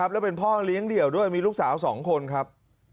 และเป็นพ่อเลี้ยงเดี่ยวด้วยมีลูกสาว๒คนครับ